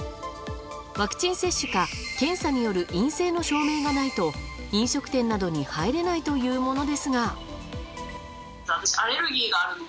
ワクチン接種か検査による陰性の証明がないと飲食店などに入れないというものですが。